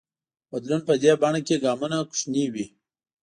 بدلون په دې بڼه کې ګامونه کوچني وي.